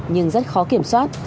nhưng rất khó kiểm soát